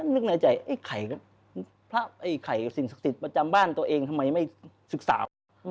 นึกในใจพระไอ้ไข่สิ่งศักดิ์สิทธิ์ประจำบ้านตัวเองทำไมไม่ศึกษา